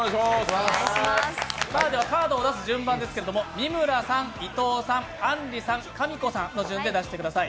では、カードを出す順番ですけれども、三村さん、伊藤さん、あんりさんかみこさんの順で出してください。